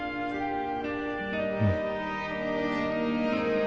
うん。